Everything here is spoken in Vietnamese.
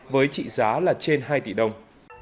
với trị giá là trên hai tỷ đồng